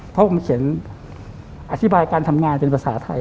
เพราะผมเขียนอธิบายการทำงานเป็นภาษาไทย